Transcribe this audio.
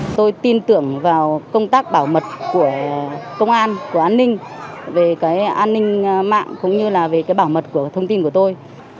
tôi tin tưởng vào công tác bảo mật của công an của an ninh về cái an ninh mạng cũng như là về cái bảo mật của thông tin của tôi